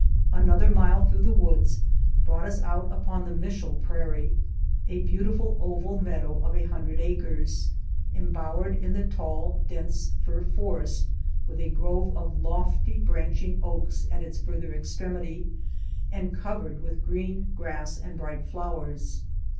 Another mile through the woods brought us out upon the Mishell Prairie, a beautiful, oval meadow of a hundred acres, embowered in the tall, dense fir forest, with a grove of lofty, branching oaks at its farther extremity, and covered with green ^ass and bright flowers.